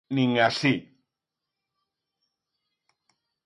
Nin así.